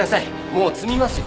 もう積みますよ。